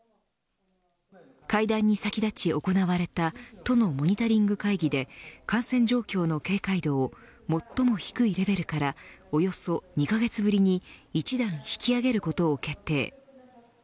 会談に先立ち行われた都のモニタリング会議で感染状況の警戒度を最も低いレベルからおよそ２カ月ぶりに１段引き上げることを決定。